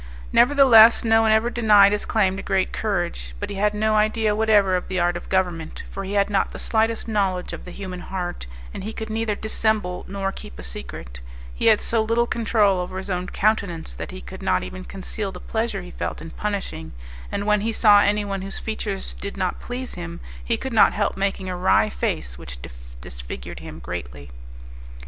Nevertheless, no one ever denied his claim to great courage; but he had no idea whatever of the art of government, for he had not the slightest knowledge of the human heart, and he could neither dissemble nor keep a secret; he had so little control over his own countenance that he could not even conceal the pleasure he felt in punishing, and when he saw anyone whose features did not please him, he could not help making a wry face which disfigured him greatly.